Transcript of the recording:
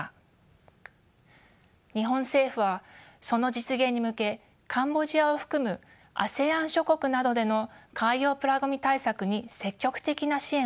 日本政府はその実現に向けカンボジアを含むＡＳＥＡＮ諸国などでの海洋プラごみ対策に積極的な支援を行ってきました。